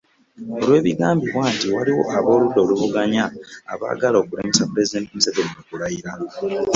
Olw'ebigambibwa nti waliwo ab'oludda oluvuganya abaagala okulemesa Pulezidenti Museveni okulayira.